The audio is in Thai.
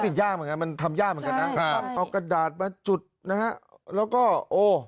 ติดยากเหมือนกันมันทำยากเหมือนกันนะครับเอากระดาษมาจุดนะฮะแล้วก็โอ้